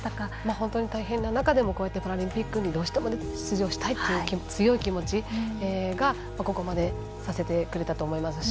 本当に大変な中でもこうやってパラリンピックにどうしても出場したいという強い気持ちがここまでさせてくれたと思いますし。